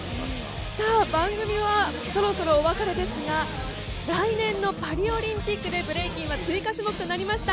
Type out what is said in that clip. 番組はそろそろお別れですが、来年のパリオリンピックでブレイキンは追加種目となりました。